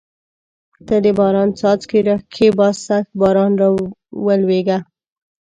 ته د باران څاڅکي را کښېباسه باران راولېږه.